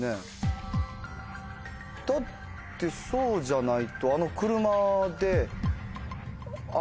だってそうじゃないとあの車で。